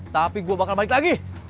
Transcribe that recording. tapi gue bakal balik lagi